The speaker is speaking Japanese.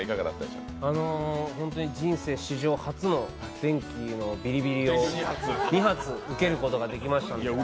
人生史上初の電気のビリビリを２発、受けることができました。